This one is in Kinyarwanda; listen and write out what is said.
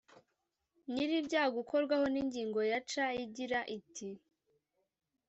ny’ir’ibyago ukorwaho n’ingingo ya C igira iti